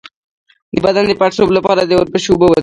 د بدن د پړسوب لپاره د وربشو اوبه وڅښئ